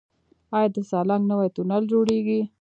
آیا د سالنګ نوی تونل جوړیږي؟